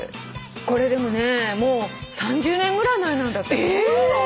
これでもねもう３０年ぐらい前なんだって。え！？そうなの？